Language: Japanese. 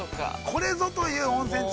◆これぞという温泉地。